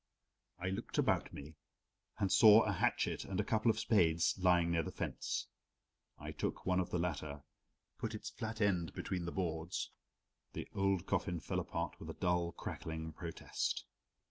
I looked about me and saw a hatchet and a couple of spades lying near the fence. I took one of the latter, put its flat end between the boards the old coffin fell apart with a dull crackling protest.